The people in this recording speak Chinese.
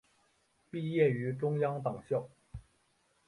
毕业于中央党校。